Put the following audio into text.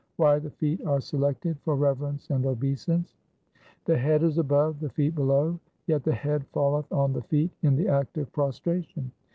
3 Why the feet are selected for reverence and obeisance :— The head is above, the feet below, yet the head falleth on the feet in the act of prostration.